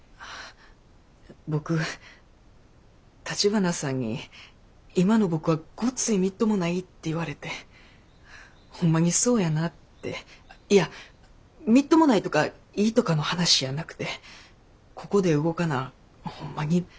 僕橘さんに今の僕はごっついみっともないって言われてホンマにそうやなって。いやみっともないとかいいとかの話やなくてここで動かなホンマに僕は。